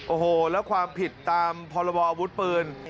โอ้โหแล้วความผิดตามพันธุ์รอบอวัดปืน